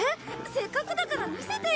せっかくだから見せてよ！